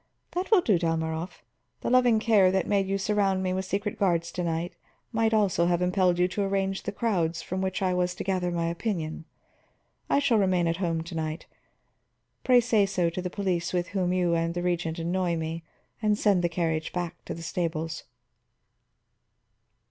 That will do, Dalmorov; the loving care that made you surround me with secret guards might also have impelled you to arrange the crowds from which I was to gather my opinion. I shall remain at home to night. Pray say so to the police with whom you and the Regent annoy me, and send the carriage back to the stables."